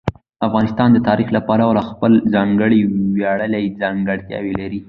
افغانستان د تاریخ له پلوه خپله ځانګړې ویاړلې ځانګړتیاوې لري.